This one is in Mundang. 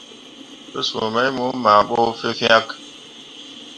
Te suu mai mo maa ɓo fẽefyak.